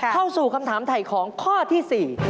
เข้าสู่คำถามถ่ายของข้อที่๔